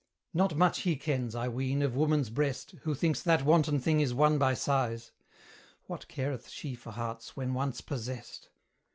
Not much he kens, I ween, of woman's breast, Who thinks that wanton thing is won by sighs; What careth she for hearts when once possessed?